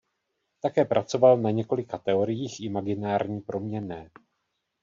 Také pracoval na několika teoriích imaginární proměnné.